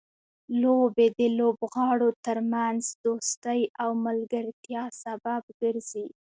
لوبې د لوبغاړو ترمنځ دوستۍ او ملګرتیا سبب ګرځي.